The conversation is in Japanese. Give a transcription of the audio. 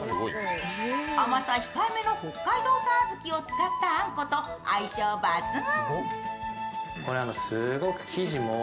甘さ控えめの北海道産小豆を使ったあんこと相性抜群。